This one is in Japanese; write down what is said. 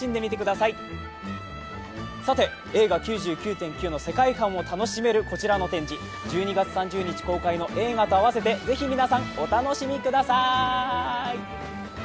さて映画「９９．９」の世界観が楽しめるこちらの展示、１２月３０日公開の映画と併せて、ぜひ皆さん、お楽しみください。